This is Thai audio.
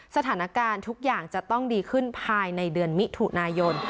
สถานการณ์ทุกอย่างจะต้องดีขึ้นภายในเดือนมิถุนายน